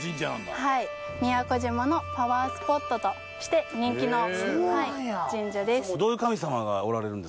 宮古島のパワースポットとして人気の神社です。